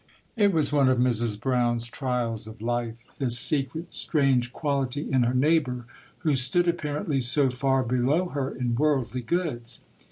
It was one of Mrs. Brown's trials of life, this secret, strange quality in her neighbour, who stood apparently so far below her in worldly goods.